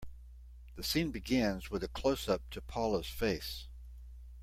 The scene begins with a closeup to Paula's face.